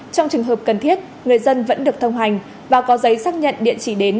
trong trường hợp cần thiết người dân vẫn được thông hành và có giấy xác nhận địa chỉ đến